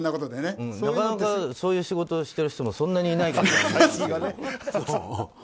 なかなかそういう仕事をしてる人もそんなにいないけどな。